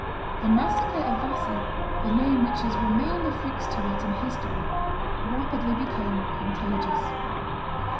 The massacre of Vassy, the name which has remained affixed to it in history, rapidly became contagious.